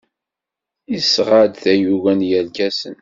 Yesɣa-d tayuga n yerkasen.